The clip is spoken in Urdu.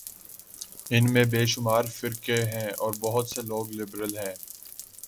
ان میں بے شمار فرقے ہیں اور بہت سے لوگ لبرل ہیں۔